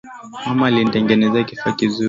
Mama alinitengenezea kifaa kizuri